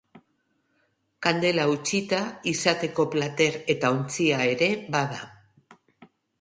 Kandela eutsita izateko plater eta ontzia ere bada.